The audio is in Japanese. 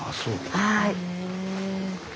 はい。